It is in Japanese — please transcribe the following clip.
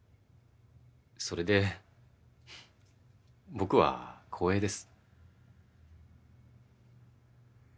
それで僕は光栄です。